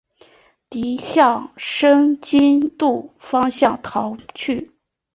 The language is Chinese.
敌向申津渡方向逃去。